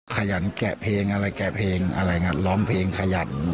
ขยันแกะเพลงอะไรแกะเพลงอะไรร้องเพลงขยัน